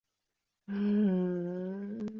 彼得宫城市内的留有大量历史建筑物。